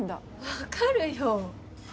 わかるよ。